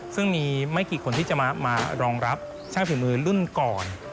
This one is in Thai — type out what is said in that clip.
ซึ่งมีไม่กี่คนที่จะมารองรับช่างฝีมือรุ่นก่อน